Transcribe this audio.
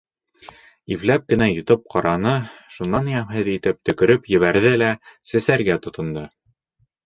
Ипләп кенә йотоп ҡараны, шунан йәмһеҙ итеп төкөрөп ебәрҙе лә сәсәргә тотондо: